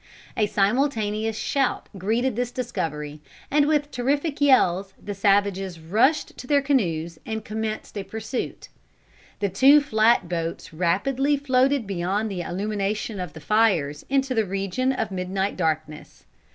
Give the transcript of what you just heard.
A simultaneous shout greeted this discovery, and with terrific yells the savages rushed to their canoes and commenced a pursuit. The two flat boats rapidly floated beyond the illumination of the fires into the region of midnight darkness.